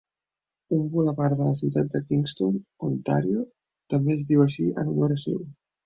Un bulevard de la ciutat de Kingston (Ontàrio) també es diu així en honor seu.